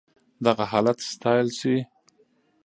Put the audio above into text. دغه حالت ستايل شي.